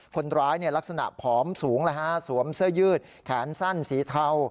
คนร้ายลักษณะผอมสูงสวมเสื้อยืดแขนสั้นสีเทา